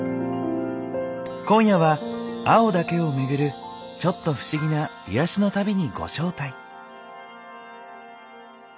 今夜は「青」だけをめぐるちょっと不思議な癒やしの旅にご招待。